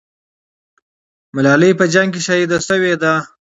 ملالۍ په جنگ کې شهیده سوې ده.